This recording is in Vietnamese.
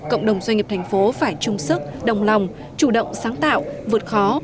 cộng đồng doanh nghiệp thành phố phải chung sức đồng lòng chủ động sáng tạo vượt khó